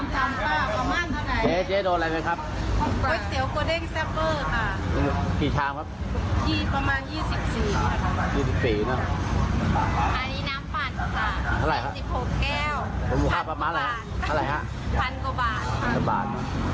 คุณค้าขายประมาณเท่าไหร่